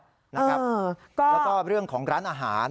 แล้วก็เรื่องของร้านอาหาร